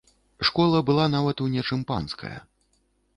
Школа была нават у нечым панская.